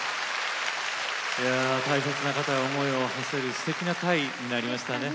大切な方へ思いをはせるすてきな回になりましたね。